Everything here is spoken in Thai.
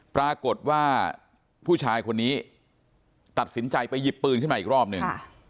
ปรากฏว่าผู้ชายคนนี้ตัดสินใจไปหยิบปืนขึ้นมาอีกรอบหนึ่ง